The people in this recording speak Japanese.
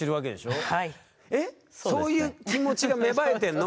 そういう気持ちが芽生えてんの？